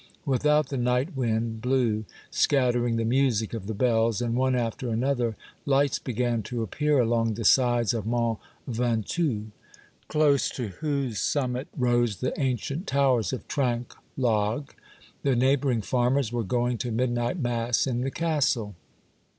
" Without, the night wind blew, scat tering the music of the bells, and one after another, lights began to appear along the sides of Mont Ventoax, close to whose summit rose the ancient towers of Trinquelague. The neighboring farmers were going to micinight mass in the castle.